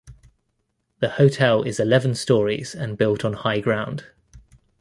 The hotel is eleven stories and built on high ground.